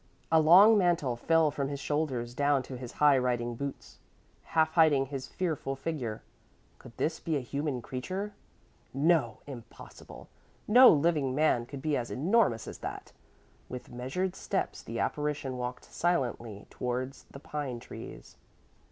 A long mantle fell from his shoulders down to his high riding boots, half hiding his fearful figure. Could this be a human creature? No, impossible! No living man could be as enormous as that. With measured steps the apparition walked silently towards the pine trees.